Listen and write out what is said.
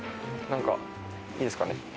何かいいですかね？